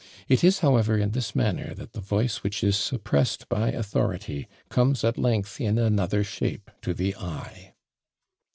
It is, however, in this manner that the voice which is suppressed by authority comes at length in another shape to the eye.